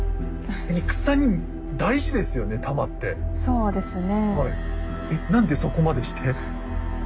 そうですね。